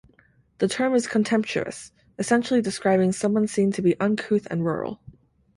The term is contemptuous, essentially describing someone seen to be uncouth and rural.